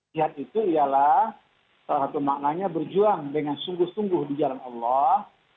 jihad itu ialah salah satu maknanya berjuang dengan sungguh sungguh di jalan allah